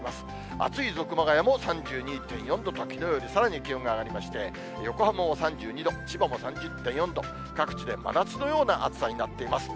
暑いぞ熊谷も３２．４度と、きのうよりさらに気温が上がりまして、横浜も３２度、千葉も３０．４度、各地で真夏のような暑さになっています。